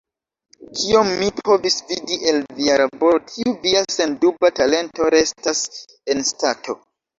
Kiom mi povis vidi el via laboro, tiu via senduba talento restas en stato.